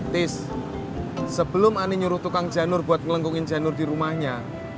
tis sebelum ani nyuruh tukang janur buat melengkungin janur di rumahnya